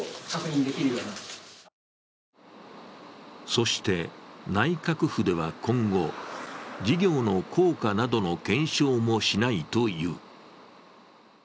そして内閣府では今後、事業の効果などの検証もしないという。